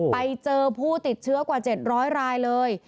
ไปเจอผู้ติดเชื้อกว่า๗๐๐รายเลย